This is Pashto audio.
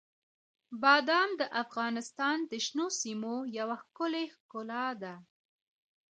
بادام د افغانستان د شنو سیمو یوه ښکلې ښکلا ده.